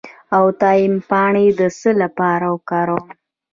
د تایم پاڼې د څه لپاره وکاروم؟